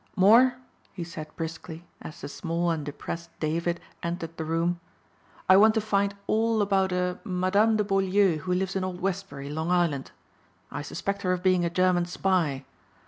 "Moor," he said briskly as the small and depressed David entered the room, "I want to find all about a Madame de Beaulieu who lives in Old Westbury, Long Island. I suspect her of being a German spy.